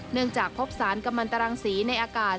เนื่องจากพบสารกำมันตรังสีในอากาศ